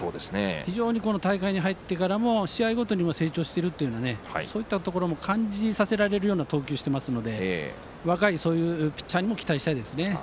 非常に大会に入ってからも試合ごとに成長しているというようなそういったところも感じさせるような投球してますので若いピッチャーにも期待したいですね。